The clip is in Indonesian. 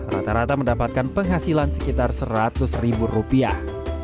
rata rata mendapatkan penghasilan sekitar seratus ribu rupiah